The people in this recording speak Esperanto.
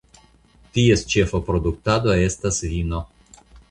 Ties ĉefa produktado estas vino.